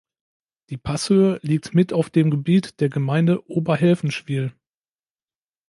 Die Passhöhe liegt mit auf dem Gebiet der Gemeinde Oberhelfenschwil.